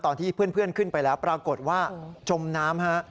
ตอนที่เพื่อนขึ้นไปแล้วปรากฏว่าจมน้ำฮะ